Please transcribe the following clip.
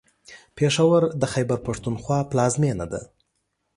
پېښور د خیبر پښتونخوا پلازمېنه ده.